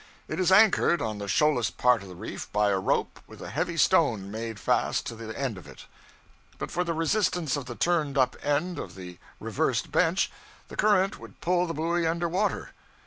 It is anchored on the shoalest part of the reef by a rope with a heavy stone made fast to the end of it. But for the resistance of the turned up end of the reversed bench, the current would pull the buoy under water.